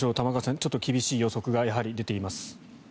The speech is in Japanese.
ちょっと厳しい予測がやはり出ています。